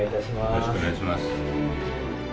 よろしくお願いします。